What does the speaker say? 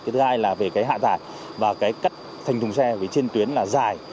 thứ hai là về cái hạ tải và cái cắt thành thùng xe trên tuyến là dài